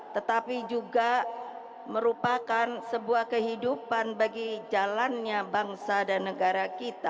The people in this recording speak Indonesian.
tetapi juga merupakan sebuah kehidupan bagi jalannya bangsa dan negara kita